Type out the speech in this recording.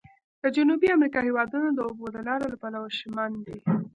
د جنوبي امریکا هېوادونه د اوبو د لارو له پلوه شمن دي.